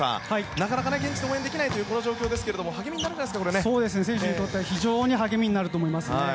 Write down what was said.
なかなか現地で応援できない状況ですが選手にとっては非常に励みになると思います。